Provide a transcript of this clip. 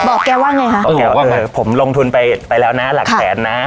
บอกแกว่าไงฮะเออบอกแกว่าไงผมลงทุนไปไปแล้วน่ะหลักแสนน่ะ